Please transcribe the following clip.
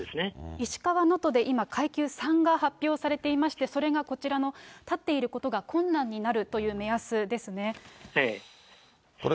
石川能登で今、階級３が発表されていまして、それがこちらの立っていることが困難になるという目安ですね。